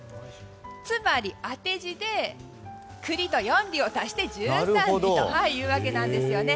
つまり、当て字で栗と四里を足して十三里というわけなんですよね。